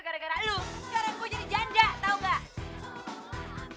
sekarang gue jadi janda tau gak